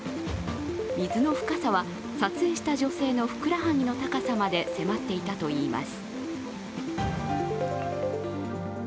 水の深さは撮影した女性のふくらはぎの高さまで迫っていたといいます。